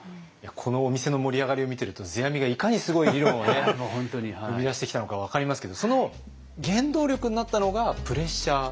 このお店の盛り上がりを見てると世阿弥がいかにすごい理論を生み出してきたのか分かりますけどその原動力になったのがプレッシャー。